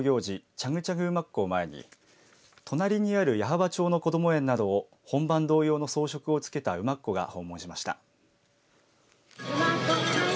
チャグチャグ馬コを前に隣にある矢巾町のこども園などを本番同様の装束を着けた馬コが訪問しました。